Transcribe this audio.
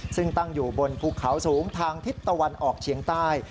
ซึ่งตั้งอยู่บนภูเขาสูงทางทิศตะวันออกเฉียงใต้